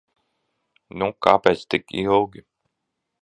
Nu kāpēc tik ilgi?